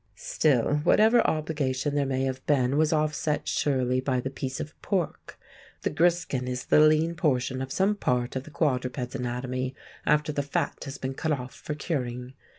Still, whatever obligation there may have been was offset, surely, by the piece of pork. The griskin is the lean portion of some part of the quadruped's anatomy after the fat has been cut off for curing.